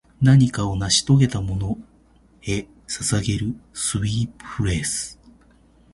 何かを成し遂げたものへ捧げるスウィープフレーズ